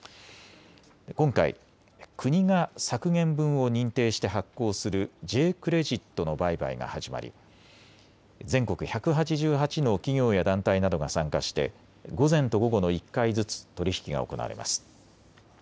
今回、国が削減分を認定して発行するＪ−クレジットの売買が始まり全国１８８の企業や団体などが参加して午前と午後の１回ずつ取り引きが行われます。